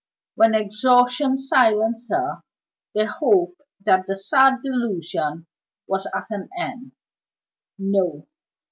When exhaustion silenced her, they hoped that the sad delusion was at an end. No!